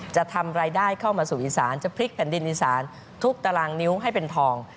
จะทำรายได้เข้ามาสู่อีสานจะพลิกแผ่นดินอีสานทุกตารางนิ้วให้เป็นทอง